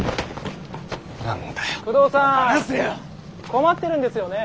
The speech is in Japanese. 困ってるんですよね？